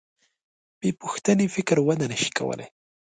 بېپوښتنې فکر وده نهشي کولی.